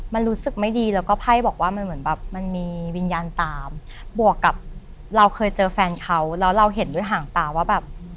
มันรู้สึกไม่ดีแล้วก็ไพ่บอกว่ามันเหมือนแบบมันมีวิญญาณตามบวกกับเราเคยเจอแฟนเขาแล้วเราเห็นด้วยห่างตาว่าแบบ